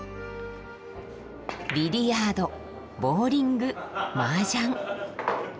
ビリヤードボウリングマージャン。